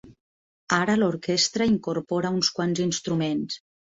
Ara l'orquestra incorpora uns quants instruments.